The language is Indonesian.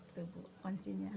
itu bu kuncinya